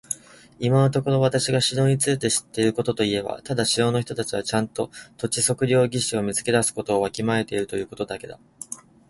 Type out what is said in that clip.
今のところ私が城について知っていることといえば、ただ城の人たちはちゃんとした土地測量技師を見つけ出すことをわきまえているということだけだ。